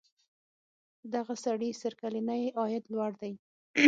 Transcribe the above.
د دغو هیوادونو سړي سر کلنی عاید لوړ دی.